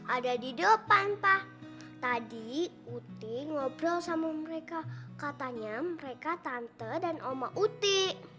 ada di depan pak tadi utin ngobrol sama mereka katanya mereka tante dan oma utik